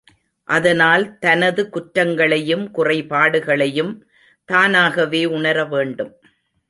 அதனால், தனது குற்றங்களையும், குறைபாடுகளையும், தானாகவே உணர வேண்டும்.